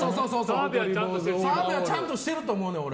澤部はちゃんとしてると思うねん、俺。